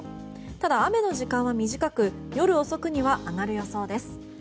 ただ雨の時間は短く夜遅くには上がる予想です。